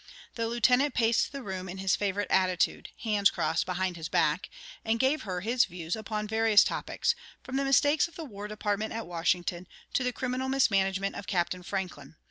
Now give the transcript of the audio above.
The Lieutenant paced the room in his favourite attitude hands crossed behind his back and gave her his views upon various topics, from the mistakes of the War Department at Washington to the criminal mismanagement of Captain Franklin.